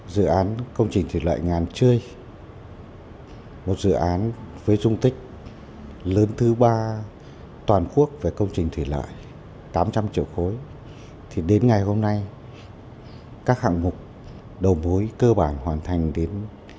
dự án công trình thủy lợi ngàn chơi một dự án với dung tích lớn thứ ba toàn quốc về công trình thủy lợi tám trăm linh triệu khối thì đến ngày hôm nay các hạng mục đầu mối cơ bản hoàn thành đến chín mươi năm chín mươi chín